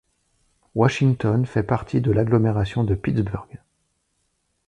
Washington fait partie de l’agglomération de Pittsburgh.